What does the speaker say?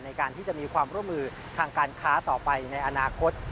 ในการที่จะมีความร่วมมือทางการค้าต่อไปในอนาคต